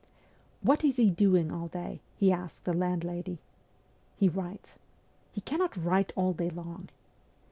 ' What is he doing all day ?' he asked the landlady. ' He writes.' 'He cannot write all day long.'